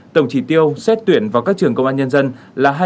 tổng trị tiêu xét tuyển vào các trường công an nhân dân là hai năm mươi trị tiêu